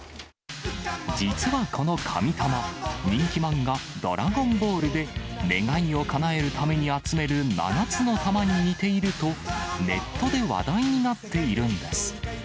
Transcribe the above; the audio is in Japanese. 実はこの神玉、人気漫画、ドラゴンボールで、願いをかなえるために集める７つの玉に似ていると、ネットで話題になっているんです。